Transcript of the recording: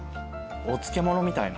お漬物みたいな。